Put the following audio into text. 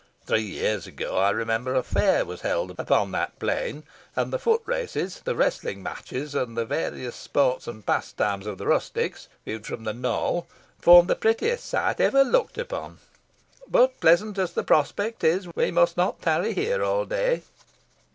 Three years ago I remember a fair was held upon that plain, and the foot races, the wrestling matches, and the various sports and pastimes of the rustics, viewed from the knoll, formed the prettiest sight ever looked upon. But, pleasant as the prospect is, we must not tarry here all day."